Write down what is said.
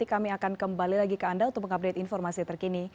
kami akan kembali lagi ke anda untuk mengupdate informasi terkini